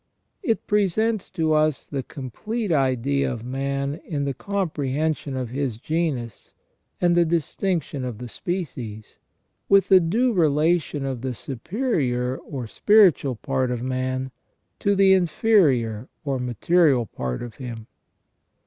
It pre sents to us the complete idea of man in the comprehension of his genus and the distinction of the species, with the due relation of the superior or spiritual part of man to the inferior or material part of him.